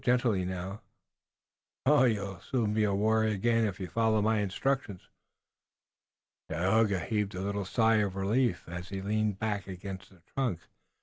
Gently now! Oh, you'll soon be a warrior again, if you follow my instructions!" Tayoga heaved a little sigh of relief as he leaned back against the trunk.